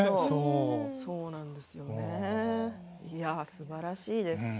すばらしいです。